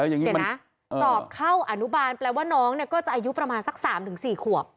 เดี๋ยวนะสอบเข้าอนุบาลแปลว่าน้องเนี่ยก็จะอายุประมาณสัก๓๔ขวบ